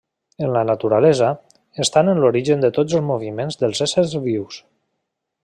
En la naturalesa, estan en l'origen de tots els moviments dels éssers vius.